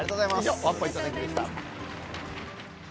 以上、ワンポイント天気でした。